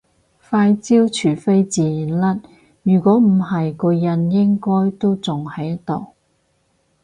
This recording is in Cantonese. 塊焦除非自然甩如果唔係個印應該都仲喺度